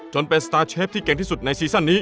จนเป็นสตาร์เชฟที่เก่งที่สุดในซีซั่นนี้